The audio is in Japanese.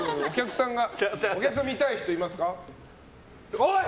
お客さん、見たい人いますか？